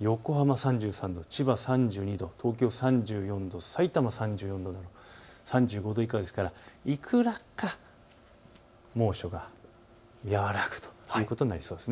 横浜３３度、千葉３２度、東京３４度、さいたま３４度、３５度以下ですからいくらか猛暑は和らぐということになりそうです。